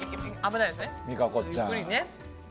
ゆっくりね。